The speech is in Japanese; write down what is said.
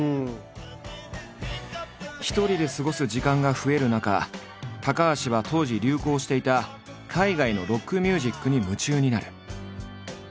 一人で過ごす時間が増える中高橋は当時流行していた海外のロックミュージックに夢中になる。